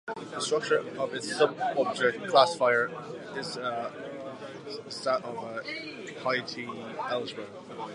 The structure on its sub-object classifier is that of a Heyting algebra.